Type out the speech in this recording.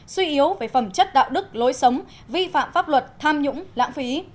suy yếu về phẩm chất đạo đức lối sống vi phạm pháp luật tham nhũng lãng phí